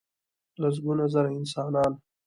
لسګونه زره انسانان .